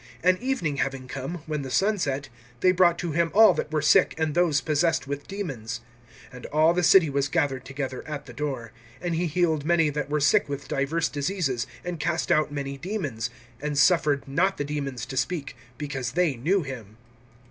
(32)And evening having come, when the sun set, they brought to him all that were sick, and those possessed with demons. (33)And all the city was gathered together at the door. (34)And he healed many that were sick with divers diseases, and cast out many demons; and suffered not the demons to speak, because they knew him.